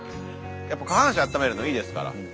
やっぱ下半身あっためるのいいですから。